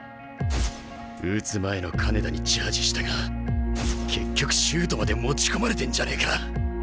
打つ前の金田にチャージしたが結局シュートまで持ち込まれてんじゃねえか！